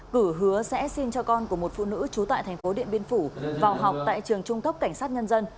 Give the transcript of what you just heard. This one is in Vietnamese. cử hứa sẽ xin cho con của một phụ nữ chú tại tp điện biên phủ vào học tại trường trung tốc cảnh sát nhân dân